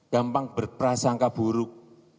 gampang berprasangka buruk